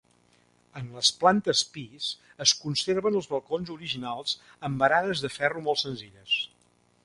En les plantes pis es conserven els balcons originals amb baranes de ferro molt senzilles.